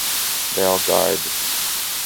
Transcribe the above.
Vēl gaidu.